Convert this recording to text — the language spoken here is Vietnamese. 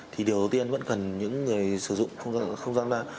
thì điều đầu tiên vẫn cần những người sử dụng không gian mạng